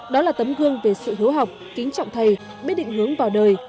đó là tấm gương về sự hiếu học kính trọng thầy biết định hướng vào đời